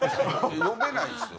読めないっすよ